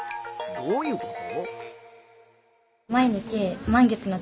どういうこと？